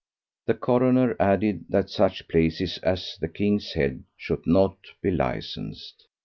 The coroner added that such places as the "King's Head" should not be licensed.